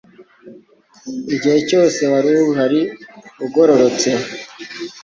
Igihe cyose wari uhari Ugororotse